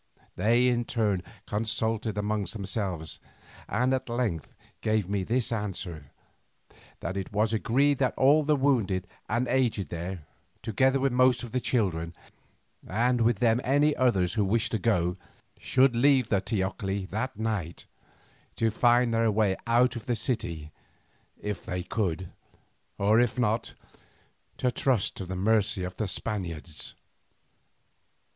They in turn consulted among themselves, and at length gave me this answer: that it was agreed that all the wounded and aged there, together with most of the children, and with them any others who wished to go, should leave the teocalli that night, to find their way out of the city if they could, or if not, to trust to the mercy of the Spaniards.